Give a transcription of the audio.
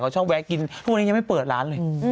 เขาชอบแวะกินทุกวันนี้ยังไม่เปิดร้านเลย